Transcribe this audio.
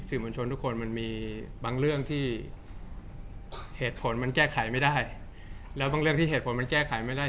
มวลชนทุกคนมันมีบางเรื่องที่เหตุผลมันแก้ไขไม่ได้แล้วบางเรื่องที่เหตุผลมันแก้ไขไม่ได้